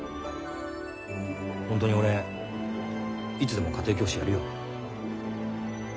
ホントに俺いつでも家庭教師やるよ。